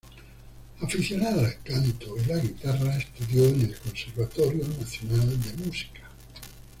Aficionada al canto y la guitarra, estudió en el Conservatorio Nacional de Música.